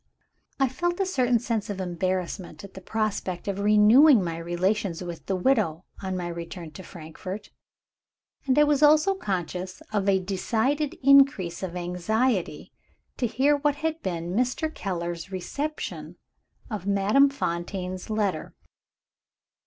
I felt a certain sense of embarrassment at the prospect of renewing my relations with the widow, on my return to Frankfort; and I was also conscious of a decided increase of anxiety to hear what had been Mr. Keller's reception of Madame Fontaine's letter.